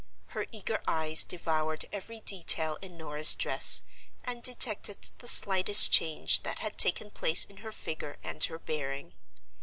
Her eager eyes devoured every detail in Norah's dress, and detected the slightest change that had taken place in her figure and her bearing.